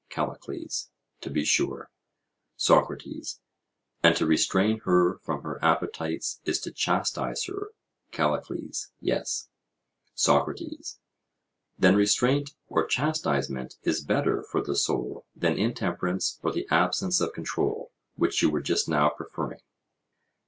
CALLICLES: To be sure. SOCRATES: And to restrain her from her appetites is to chastise her? CALLICLES: Yes. SOCRATES: Then restraint or chastisement is better for the soul than intemperance or the absence of control, which you were just now preferring?